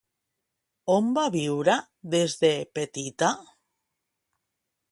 On va viure des de petita?